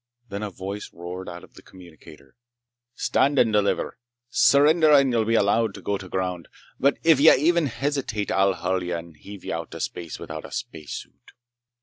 Then a voice roared out of the communicator: "Stand and deliver! Surrender and y'll be allowed to go to ground. But if y'even hesitate I'll hull ye and heave ye out to space without a spacesuit!"